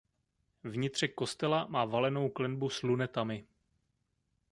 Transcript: Vnitřek kostela má valenou klenbu s lunetami.